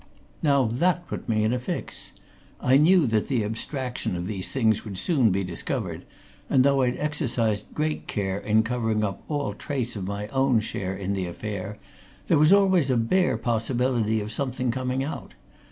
Now that put me in a fix. I knew that the abstraction of these things would soon be discovered, and though I'd exercised great care in covering up all trace of my own share in the affair, there was always a bare possibility of something coming out.